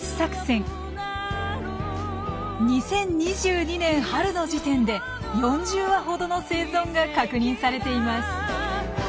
２０２２年春の時点で４０羽ほどの生存が確認されています。